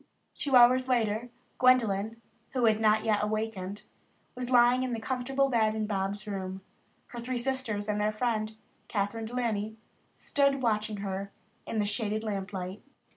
Two hours later Gwendolyn, who had not awakened, was lying in the comfortable bed in Bobs' room. Her three sisters and their friend, Kathryn De Laney, stood watching her in the shaded lamp light.